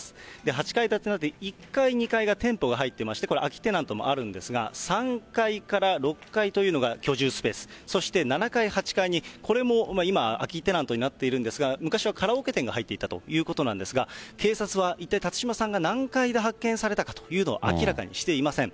８階建てなので、１階、２階に店舗が入ってまして、これ、空きテナントもあるんですが、３階から６階というのが居住スペース、そして７階、８階に、これも今、空きテナントになっているんですが、昔はカラオケ店が入っていたということなんですが、警察は、一体、辰島さんが何階で発見されたかというのは明らかにしていません。